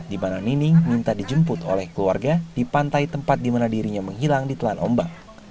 di mana nining minta dijemput oleh keluarga di pantai tempat di mana dirinya menghilang di telan ombak